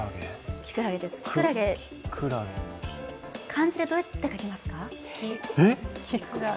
漢字でどうやって書きますか？